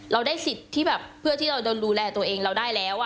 เราได้สิทธิ์ที่แบบเพื่อที่เราจะดูแลตัวเองเราได้แล้ว